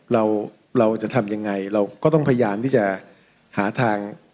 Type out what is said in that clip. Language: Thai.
เราเราจะทำยังไงเราก็ต้องพยายามที่จะหาทาง